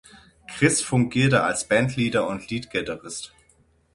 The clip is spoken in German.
Chris fungierte als Bandleader und Leadgitarrist.